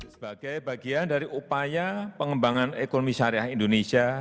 sebagai bagian dari upaya pengembangan ekonomi syariah indonesia